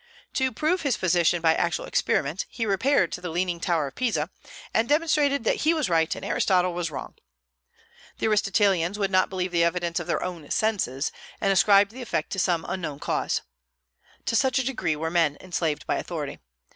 To prove his position by actual experiment, he repaired to the leaning tower of Pisa, and demonstrated that he was right and Aristotle was wrong. The Aristotelians would not believe the evidence of their own senses, and ascribed the effect to some unknown cause. To such a degree were men enslaved by authority.